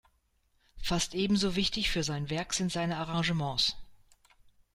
Fast ebenso wichtig für sein Werk sind seine Arrangements.